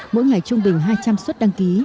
mỗi ngày trung bình hai trăm linh suất đăng ký